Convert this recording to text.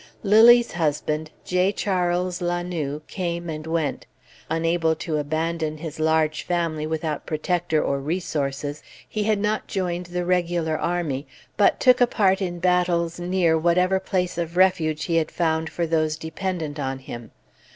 "Lilly's" husband, J. Charles La Noue, came and went; unable to abandon his large family without protector or resources, he had not joined the regular army, but took a part in battles near whatever place of refuge he had found for those dependent on him.